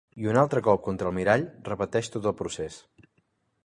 I un altre cop contra el mirall repeteix tot el procés.